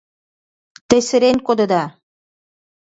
Те серен кодеда...